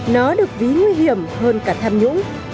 nó được ví nguy hiểm hơn cả tham nhũng